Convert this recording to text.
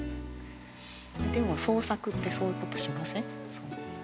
でも創作ってそういうことしません？